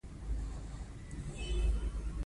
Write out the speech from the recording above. هندوانه په زابل او کندهار کې هم کرل کېږي.